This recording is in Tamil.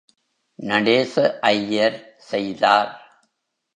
நடேச ஐயர் செய்தார்.